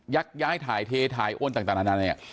ยักย้ายเทททายโอลต่างอันนั้น